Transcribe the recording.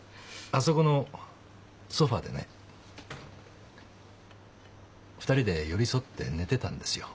あそこのソファでね２人で寄り添って寝てたんですよ。